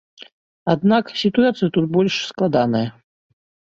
Аднак сітуацыя тут больш складаная.